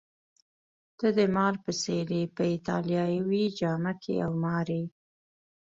ته د مار په څېر يې، په ایټالوي جامه کي یو مار یې.